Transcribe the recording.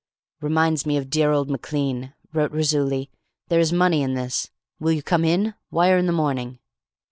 "Reminds me of dear old Maclean," wrote Raisuli. "There is money in this. Will you come in? Wire in the morning."